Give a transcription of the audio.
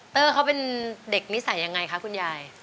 เตอร์เขาเป็นเด็กนิสัยยังไงคะคุณยาย